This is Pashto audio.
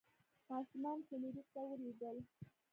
ماشومان فلیریک ته ویرېدل.